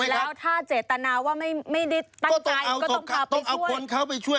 แล้วถ้าเจตนาว่าไม่ได้ตั้งใจก็ต้องพาไปช่วย